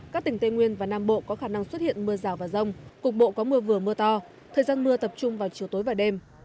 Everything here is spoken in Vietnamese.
các tỉnh tây nguyên và nam bộ có khả năng xuất hiện mưa rào và rông cục bộ có mưa vừa mưa to thời gian mưa tập trung vào chiều tối và đêm